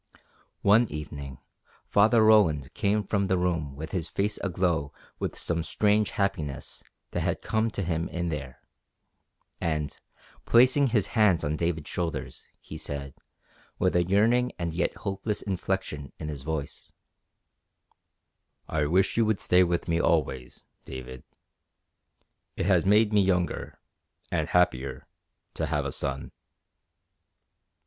One evening Father Roland came from the room with his face aglow with some strange happiness that had come to him in there, and placing his hands on David's shoulders he said, with a yearning and yet hopeless inflection in his voice: "I wish you would stay with me always, David. It has made me younger, and happier, to have a son."